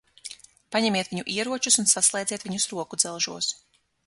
Paņemiet viņu ieročus un saslēdziet viņus rokudzelžos.